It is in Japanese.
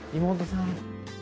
妹さん？